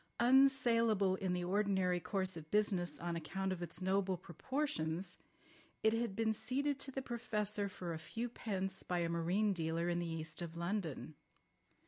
Unsaleable in the ordinary course of business on account of its noble proportions, it had been ceded to the Professor for a few pence by a marine dealer in the east of London.